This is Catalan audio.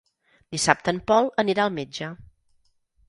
Dissabte en Pol anirà al metge.